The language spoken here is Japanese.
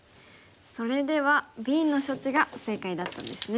それではＢの処置が正解だったんですね。